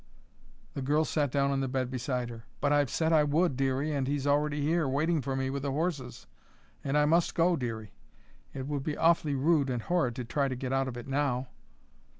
The girl sat down on the bed beside her. "But I've said I would, Dearie, and he's already here, waiting for me with the horses. And I must go, Dearie. It would be awfully rude and horrid to try to get out of it now."